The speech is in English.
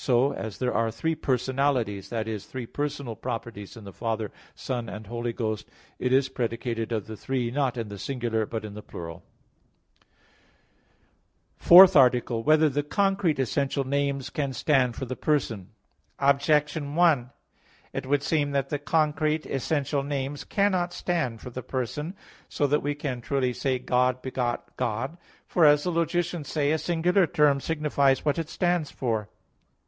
So, as there are three personalities that is, three personal properties in the Father, Son and Holy Ghost it is predicated of the three, not in the singular, but in the plural. _______________________ FOURTH ARTICLE [I, Q. 39, Art. 4] Whether the Concrete Essential Names Can Stand for the Person? Objection 1: It would seem that the concrete, essential names cannot stand for the person, so that we can truly say "God begot God." For, as the logicians say, "a singular term signifies what it stands for."